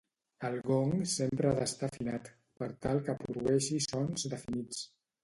El gong sempre ha d'estar afinat, per tal que produeixi sons definits.